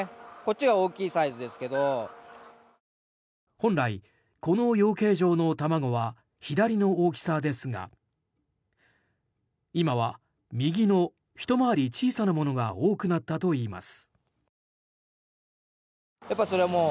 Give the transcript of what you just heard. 本来、この養鶏場の卵は左の大きさですが今は右のひと回り小さなものが多くなったといいます。